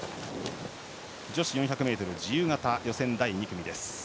女子４００ｍ自由形予選第２組。